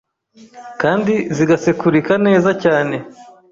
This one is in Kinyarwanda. kandi zigasekurika neza cyane